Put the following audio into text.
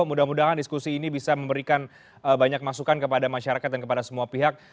mudah mudahan diskusi ini bisa memberikan banyak masukan kepada masyarakat dan kepada semua pihak